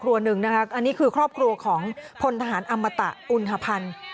อันนี้คือครอบครัวของพลทหารอมตะอุณหพันธ์